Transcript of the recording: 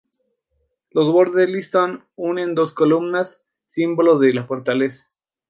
Los bordes del listón unen dos columnas, símbolo de fortaleza.